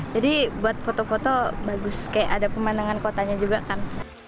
jadi buat foto foto bagus kayak ada pemandangan kotanya juga kan